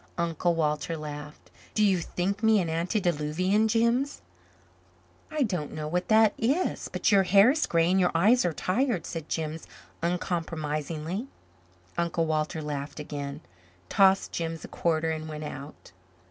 Uncle Walter laughed. "Do you think me an antediluvian, Jims?" "I don't know what that is. But your hair is gray and your eyes are tired," said Jims uncompromisingly. Uncle Walter laughed again, tossed Jims a quarter, and went out.